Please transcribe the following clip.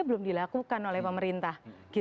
belum dilakukan oleh pemerintah